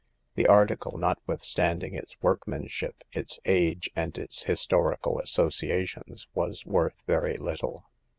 The article, notwithstand ing its workmanship, its age, and its historical associations, was worth very little.